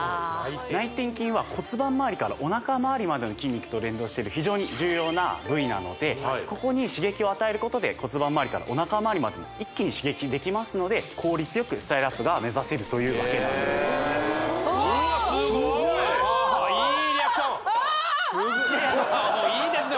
内転筋は骨盤まわりからおなかまわりまでの筋肉と連動してる非常に重要な部位なのでここに刺激を与えることで骨盤まわりからおなかまわりまでも一気に刺激できますので効率よくスタイルアップが目指せるというわけなんですああいいリアクションいいですね